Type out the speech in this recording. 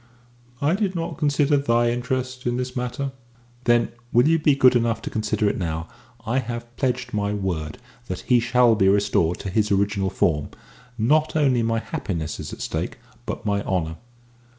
"I did not consider thy interest in this matter." "Then will you be good enough to consider it now? I have pledged my word that he shall be restored to his original form. Not only my happiness is at stake, but my honour."